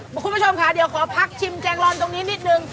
คุณผู้ชมค่ะคอพักชิมแจงล่อนตรงนี้นิดหนึ่ง